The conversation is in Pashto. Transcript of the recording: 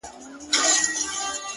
o ه ته خپه د ستړي ژوند له شانه نه يې،